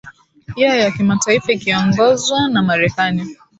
iya ya kimataifa ikiongozwa na marekani